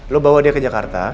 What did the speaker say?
lo bawa dia ke jakarta